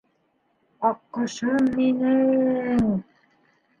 — Аҡҡошом мине-е-ең!